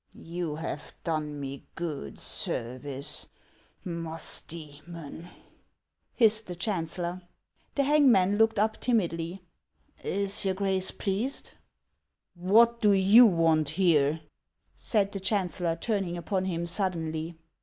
"You have done me good service, Musdcemon," hissed the chancellor. The hangman looked up timidly :" Is your Grace pleased ?"" What do you want here ?" said the chancellor, turning upon him suddenly.